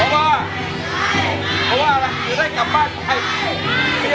ไม่ใช้